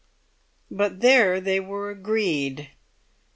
But there they were agreed.